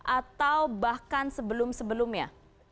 atau bahkan sebelum sebelumnya